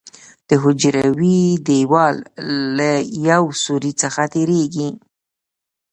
د حجروي دیوال له یو سوري څخه تېریږي.